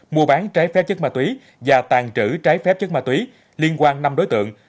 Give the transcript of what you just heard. mua bán trái phép chất ma túy và tàn trữ trái phép chất ma túy liên quan năm đối tượng